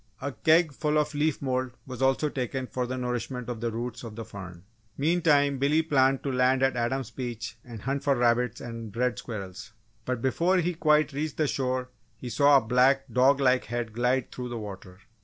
A keg full of leaf mould was also taken for the nourishment of the roots of the ferns. Meantime, Billy planned to land at Adams' Beach and hunt for rabbits and red squirrels, but before he quite reached the shore he saw a black dog like head glide through the water.